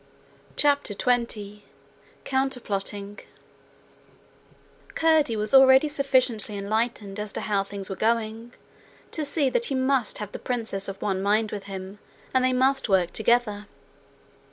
CHAPTER 20 Counterplotting Curdie was already sufficiently enlightened as to how things were going, to see that he must have the princess of one mind with him, and they must work together.